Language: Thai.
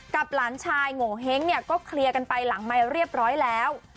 หลานชายโงเห้งเนี่ยก็เคลียร์กันไปหลังไมค์เรียบร้อยแล้ว